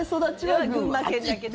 群馬県だけど。